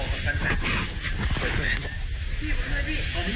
ก็จะเชื่อว่าเป็นดอม